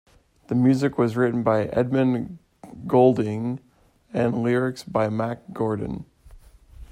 The music was written by Edmund Goulding, the lyrics by Mack Gordon.